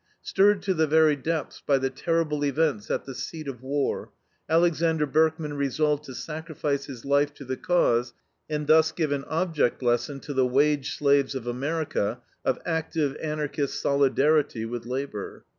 Stirred to the very depths by the terrible events at the seat of war, Alexander Berkman resolved to sacrifice his life to the Cause and thus give an object lesson to the wage slaves of America of active Anarchist solidarity with labor.